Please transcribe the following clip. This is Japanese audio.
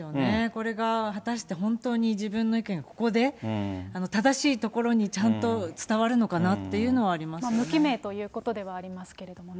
これが、果たして本当に自分の意見がここで正しいところにちゃんと伝わる無記名ということではありま